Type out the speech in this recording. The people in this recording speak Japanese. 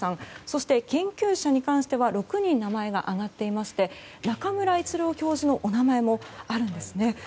そして研究者に関しては６人名前が挙がっていまして中村逸郎教授のお名前もあるんですね。